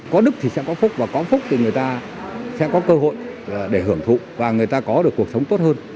có đức thì sẽ có phúc và có phúc thì người ta sẽ có cơ hội để hưởng thụ và người ta có được cuộc sống tốt hơn